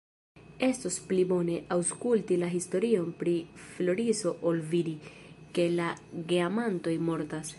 Estos pli bone, aŭskulti la historion pri Floriso ol vidi, ke la geamantoj mortas.